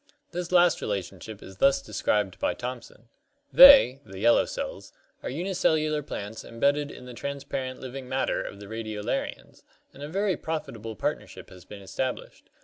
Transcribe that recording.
This last relationship is thus described by Thomson: "They [the 'yellow cells'] are unicellular plants embedded in the transparent living matter of the Radiolarians, and a very profitable partnership has been established.